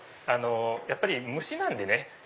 やっぱり虫なんでね。